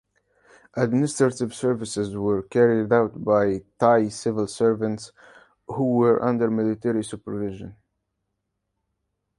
Administrative services were carried out by Thai civil servants who were under military supervision.